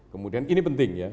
kemudian ini penting ya